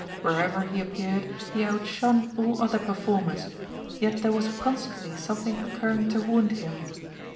Wherever he appeared he outshone all other performers, yet there was constantly something occurring to wound him.